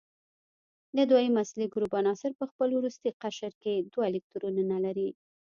د دویم اصلي ګروپ عناصر په خپل وروستي قشر کې دوه الکترونونه لري.